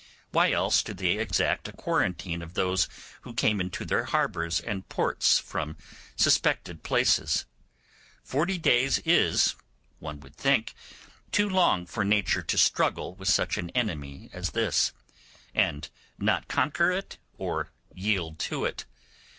Why else do they exact a quarantine of those who came into their harbours and ports from suspected places? Forty days is, one would think, too long for nature to struggle with such an enemy as this, and not conquer it or yield to it.